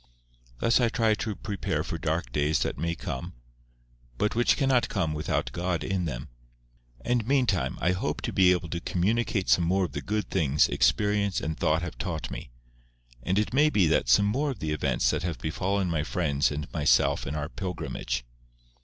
Thus I try to prepare for dark days that may come, but which cannot come without God in them. And meantime I hope to be able to communicate some more of the good things experience and thought have taught me, and it may be some more of the events that have befallen my friends and myself in our pilgrimage.